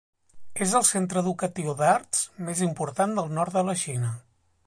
És el centre educatiu d'arts més important del nord de la Xina.